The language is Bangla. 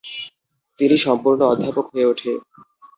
তিনি সম্পূর্ণ অধ্যাপক হয়ে ওঠে।